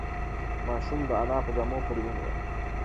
ماشوم د انا په جامو پورې ونیول.